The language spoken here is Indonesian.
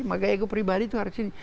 maka ego pribadi itu harus disini